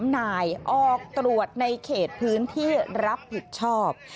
๓นายออกตรวจในเขตพื้นที่รับผิดชอบ